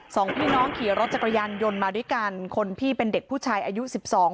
สองพี่น้องขี่รถจักรยานยนต์มาด้วยกันคนพี่เป็นเด็กผู้ชายอายุสิบสอง